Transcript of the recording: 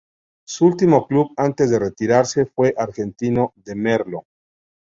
Su último club antes de retirarse fue Argentino de Merlo.